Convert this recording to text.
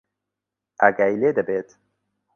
ئاگای لێ دەبێت.